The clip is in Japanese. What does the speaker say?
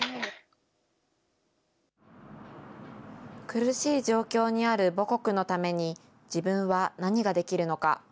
苦しい状況にある母国のために、自分は何ができるのか。